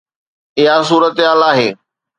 اها صورتحال آهي.